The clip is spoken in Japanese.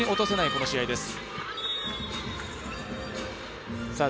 この試合です。